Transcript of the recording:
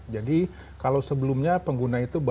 jadi kalau sebelumnya pengguna itu berlayar